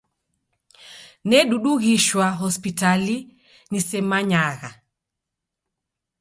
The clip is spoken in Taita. Nedudughishwa hospitali nisemanyagha.